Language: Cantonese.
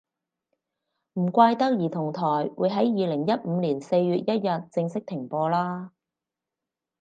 唔怪得兒童台會喺二零一五年四月一日正式停播啦